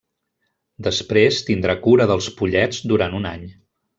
Després tindrà cura dels pollets durant un any.